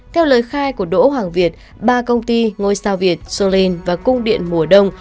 theo lời khai của đỗ hoàng việt ba công ty ngôi sao việt solin và cung điện mùa đông